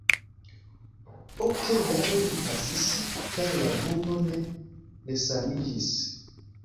Ok jarojn pasis, kaj la vundo ne resaniĝis.